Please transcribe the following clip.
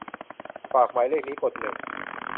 ฝากหมายเลขนี้ กดหนึ่ง